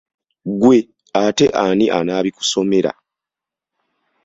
Ggwe ate ani anaabikusomera?